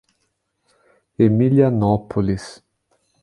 Emilianópolis